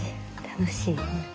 楽しい。